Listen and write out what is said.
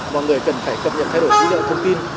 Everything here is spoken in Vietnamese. mọi người cần phải cập nhật thay đổi dữ liệu thông tin